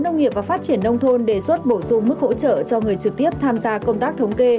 nông nghiệp và phát triển nông thôn đề xuất bổ sung mức hỗ trợ cho người trực tiếp tham gia công tác thống kê